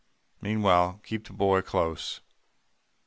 Meanwhile, keep the boy close.